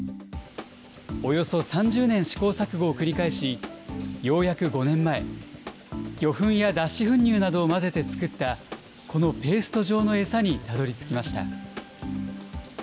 およそ３０年試行錯誤を繰り返し、ようやく５年前、魚粉や脱脂粉乳などを混ぜて作った、このペースト状の餌にたどりつきました。